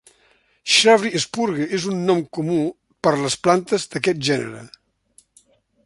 Shrubby-spurge és un nom comú per les plantes d'aquest gènere.